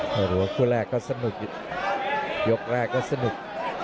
หรือว่าคู่แรกก็สนุกยกแรกก็สนุก